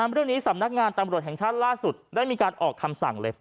เรื่องนี้สำนักงานตำรวจแห่งชาติล่าสุดได้มีการออกคำสั่งเลย